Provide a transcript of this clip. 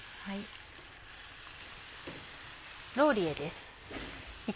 ローリエです。